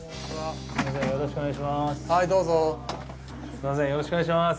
よろしくお願いします。